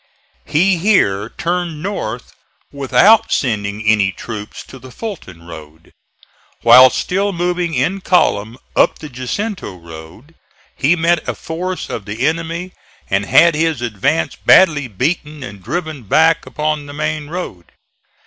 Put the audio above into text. He here turned north without sending any troops to the Fulton road. While still moving in column up the Jacinto road he met a force of the enemy and had his advance badly beaten and driven back upon the main road.